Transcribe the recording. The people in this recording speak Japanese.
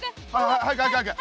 早く早く早く。